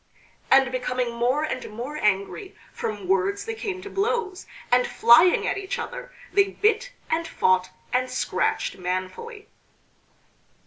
And becoming more and more angry, from words they came to blows, and flying at each other they bit, and fought, and scratched manfully.